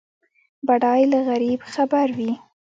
بډای له غریب خبر وي.